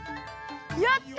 やった！